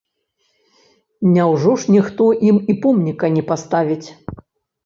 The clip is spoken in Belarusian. Няўжо ж ніхто ім і помніка не паставіць?